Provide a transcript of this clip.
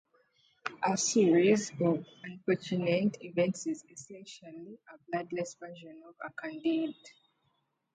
A Series Of Unfortunate Events is essentially a bloodless version of Candide.